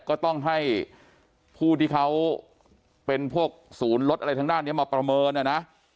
ก็ต้องให้ผู้ที่เขาเป็นพวกศูนย์รถอะไรทางด้านนี้มาประเมินนะนะ